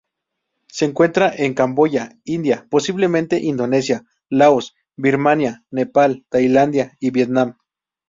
Se encuentra en Camboya, India, posiblemente Indonesia, Laos, Birmania, Nepal, Tailandia, y Vietnam.